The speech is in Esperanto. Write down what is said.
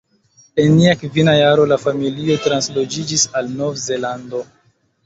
En lia kvina jaro la familio transloĝiĝis al Nov-Zelando.